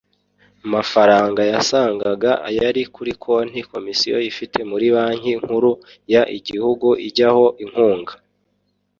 mafaranga yasangaga ayari kuri konti komisiyo ifite muri banki nkuru y igihugu ijyaho inkunga